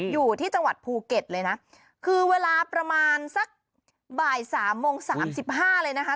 อยู่ที่จังหวัดภูเก็ตเลยนะคือเวลาประมาณสักบ่าย๓โมง๓๕เลยนะฮะ